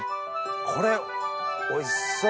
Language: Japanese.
これおいしそう。